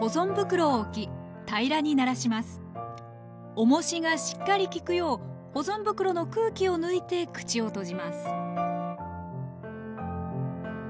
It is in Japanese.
おもしがしっかり効くよう保存袋の空気を抜いて口を閉じます